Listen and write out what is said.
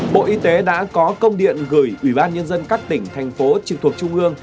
bộ y tế đã có công điện gửi ủy ban nhân dân các tỉnh thành phố trực thuộc trung ương